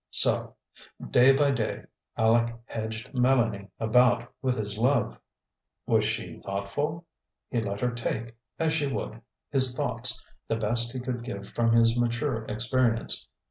So, day by day, Aleck hedged Mélanie about with his love. Was she thoughtful? He let her take, as she would, his thoughts, the best he could give from his mature experience.